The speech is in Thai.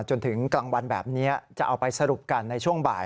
จนถึงกลางวันแบบนี้จะเอาไปสรุปกันในช่วงบ่าย